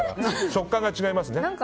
食感が違いますね。